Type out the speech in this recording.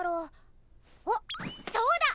おっそうだ